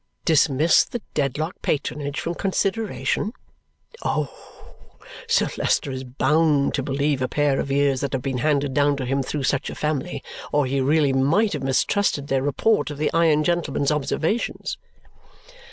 Dismiss the Dedlock patronage from consideration? Oh! Sir Leicester is bound to believe a pair of ears that have been handed down to him through such a family, or he really might have mistrusted their report of the iron gentleman's observations.